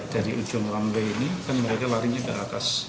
dari ujung runway ini kan mereka larinya ke atas